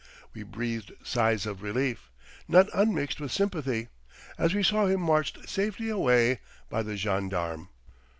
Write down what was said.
We breathed sighs of relief, not unmixed with sympathy, as we saw him marched safely away by the gendarme.